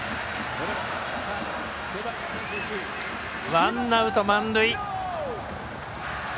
ワンアウト、満塁。